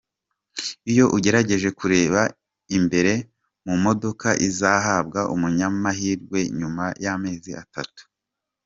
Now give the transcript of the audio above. Iyo ugerageje kureba imbere mu modoka izahabwa umunyamahirwe nyuma y'amezi atatu.